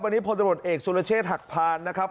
วันนี้พลตำรวจเอกสุรเชษฐหักพานนะครับ